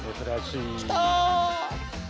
きた！